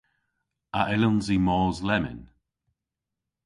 A yllons i mos lemmyn?